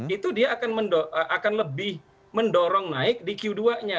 itu dia akan lebih mendorong naik di q dua nya